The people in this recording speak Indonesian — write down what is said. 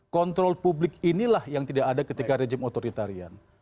kontrol publik inilah yang tidak ada ketika rejim otoritarian